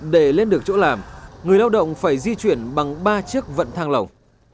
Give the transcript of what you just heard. để lên được chỗ làm người lao động phải di chuyển bằng ba chiếc vận thang lồng